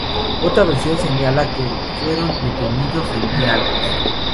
Otra versión señala que fueron detenidos el día antes.